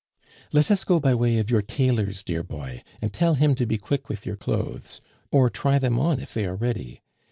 "Let us go by way of your tailor's, dear boy, and tell him to be quick with your clothes, or try them on if they are ready.